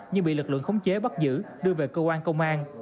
nhưng bị lực lượng khống chế bắt giữ đưa về cơ quan công an